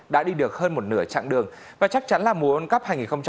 đã đi được hơn một nửa chặng đường và chắc chắn là mùa ôn cấp hai nghìn một mươi tám